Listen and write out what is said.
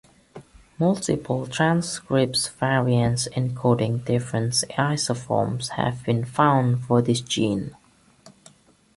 Multiple transcript variants encoding different isoforms have been found for this gene.